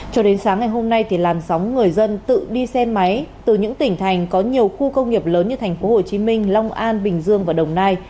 cho đến sáng ngày hôm nay thì làn sóng người dân tự đi xe máy từ những tỉnh thành có nhiều khu công nghiệp lớn như thành phố hồ chí minh long an bình dương và đồng nai